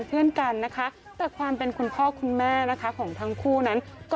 นะคะแต่ความเป็นคุณพ่อคุณแม่นะคะของทั้งคู่นั้น